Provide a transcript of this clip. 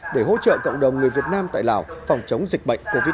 để hỗ trợ cộng đồng người việt nam tại lào phòng chống dịch bệnh covid một mươi chín